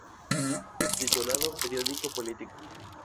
Subtitulado "Periódico político.